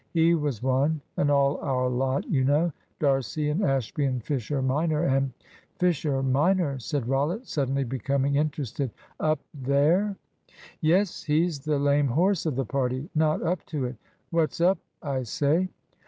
He was one, and all our lot, you know, D'Arcy and Ashby and Fisher minor and " "Fisher minor," said Rollitt, suddenly becoming interested; "up there?" "Yes he's the lame horse of the party not up to it. What's up, I say?"